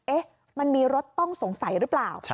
เอ๊ะมันมีรถต้องสงสัยหรือเปล่า